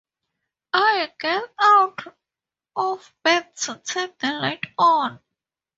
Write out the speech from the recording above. I get out of bed to turn the light on.